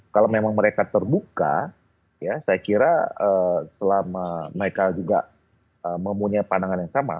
kalau memang mereka terbuka ya saya kira selama mereka juga mempunyai pandangan yang sama